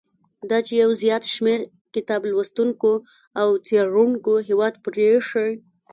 دا چې یو زیات شمیر کتاب لوستونکو او څېړونکو هیواد پریښی.